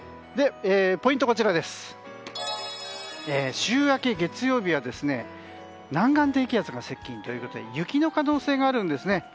ポイントは週明け月曜日は南岸低気圧が接近ということで雪の可能性があるんですね。